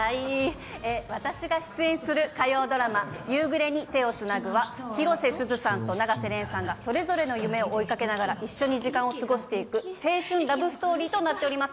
私が出演する火曜ドラマ「夕暮れに、手をつなぐ」は広瀬すずさんと永瀬廉さんがそれぞれの夢を追いかけながら一緒に時間を過ごしていく青春ラブストーリーとなっております。